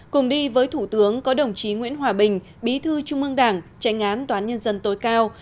cùng đi với thủ tướng có đồng chí nguyễn hòa bình bí thư trung ương đảng tranh án toán nhân dân tối cao